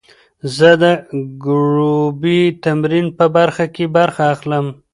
زه د ګروپي تمرین په برخه کې برخه اخلم.